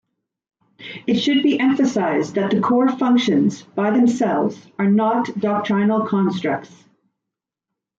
It should be emphasized that the core functions, by themselves, are not doctrinal constructs.